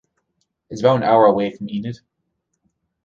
It's about an hour away from Enid.